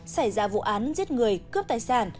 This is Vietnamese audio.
xảy ra vụ án giết người cướp tài sản